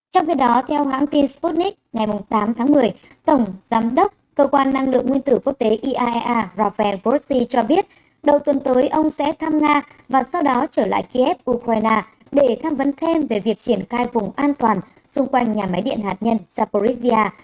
trong khi đó theo hãng tin sputnik ngày tám tháng một mươi tổng giám đốc cơ quan năng lượng nguyên tử quốc tế iaea rafael vossi cho biết đầu tuần tới ông sẽ thăm nga và sau đó trở lại kiev ukraine để tham vấn thêm về việc triển khai vùng an toàn xung quanh nhà máy điện hạt nhân zaporizhia